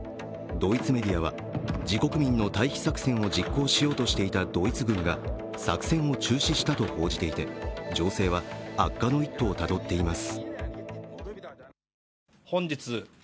ドイツメディアは、自国民の退避作戦を実行しようとしていたドイツ軍が作戦を中止したと報じていて情勢は悪化の一途をたどっています。